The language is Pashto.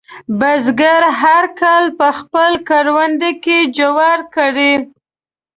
بزګر هر کال په خپل کروندې کې جوار کري.